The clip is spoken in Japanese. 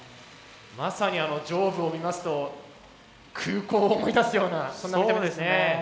まさにあの上部を見ますと空港を思い出すようなそんな見た目ですね。